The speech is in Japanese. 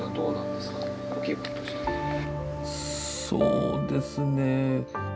そうですね。